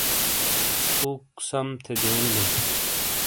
فوک سم تھے دیونی بئے